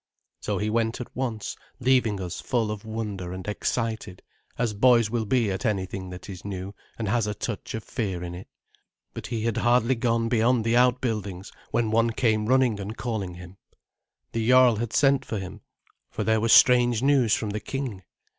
So he went at once, leaving us full of wonder and excited, as boys will be at anything that is new and has a touch of fear in it. But he had hardly gone beyond the outbuildings when one came running and calling him. The jarl had sent for him, for there was strange news from the king.